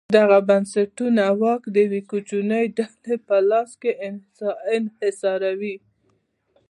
دغه بنسټونه واک د یوې کوچنۍ ډلې په لاس انحصاروي.